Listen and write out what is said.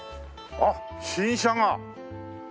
あっ新車が。